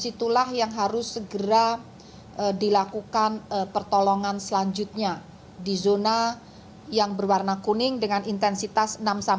dan disitulah yang harus segera dilakukan pertolongan selanjutnya di zona yang berwarna kuning dengan intensitas enam tujuh